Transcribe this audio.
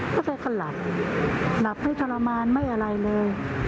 ก็แกก็หลับหลับไม่ทรมานไม่อะไรเลย